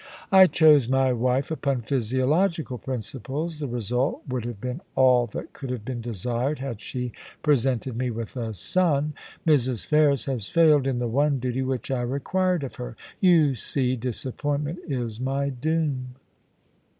I chose my wife upon physiological principles. The result would have been all that could have been desired had she pre sented me with a son. Mrs. Ferris has failed in the one duty which I required of her. You see, disappointment is my doom.'